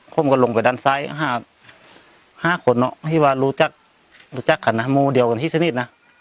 ผมก็ลงไปด้านซ้าย๕คนรู้จักมูเดียวกันที่สนิท